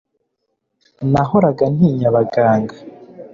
Nahoraga ntinya abaganga